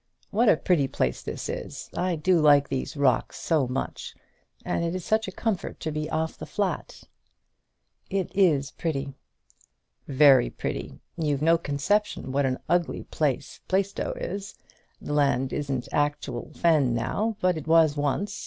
What a pretty place this is! I do like these rocks so much, and it is such a comfort to be off the flat." "It is pretty." "Very pretty. You've no conception what an ugly place Plaistow is. The land isn't actual fen now, but it was once.